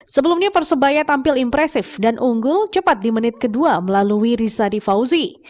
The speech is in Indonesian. sebelumnya persebaya tampil impresif dan unggul cepat di menit kedua melalui risadi fauzi